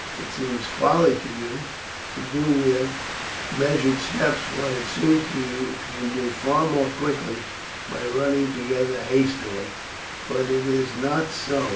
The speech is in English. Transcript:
It seems folly to you to do with measured steps what it seems you could do far more quickly by running together hastily; but it is not so.